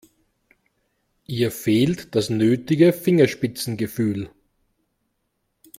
Ihr fehlt das nötige Fingerspitzengefühl.